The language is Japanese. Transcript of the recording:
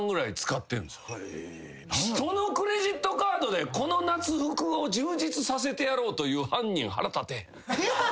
人のクレジットカードでこの夏服を充実させてやろうという犯人腹立てへん？